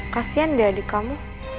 kasian deh adik kamu